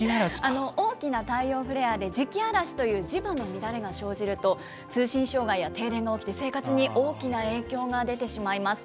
大きな太陽フレアで磁気嵐という磁場の乱れが生じると、通信障害や停電が起きて、生活に大きな影響が出てしまいます。